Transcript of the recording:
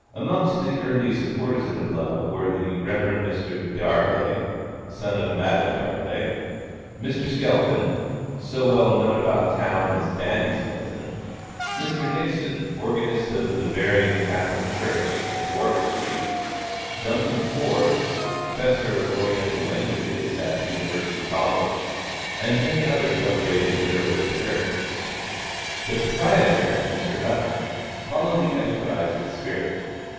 Amongst the early supporters of the Club were the Rev. Mr. D'Arblay, (son of Madame D'Arblay,) Mr. Skelton, (so well known about town as "Dandy Skelton,") Mr. Nixon, organist of the Bavarian Catholic Church, in Warwick Street, Duncan Forbes, Professor of Oriental languages at University College, and many other celebrated literary characters. The proprietor, Mr. Huttman, followed the enterprise with spirit.